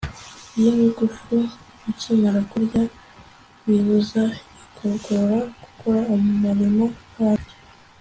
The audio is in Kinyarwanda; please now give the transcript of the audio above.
yingufu ukimara kurya bibuza igogora gukora umurimo waryo